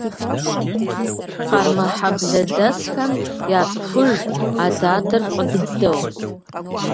Къармэхьэблэдэсхэм яцӏыхуж а дадэр фӏы дыдэу.